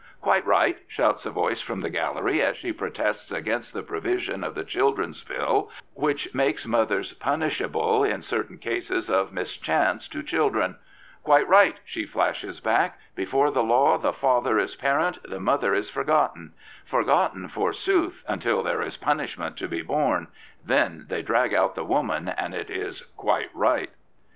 Quite right I " shouts a voice from the gallery as she protests against the provision of the Children's Bill which makes inothers punishable in certain cases of mischance to children. " Quite right 1 " she flashes back. " Before the law the father is parent, the mother is forgotten; forgotten, forsooth, until there is punishment to be borne. Then they drag out the woman and it is ' Quite right.'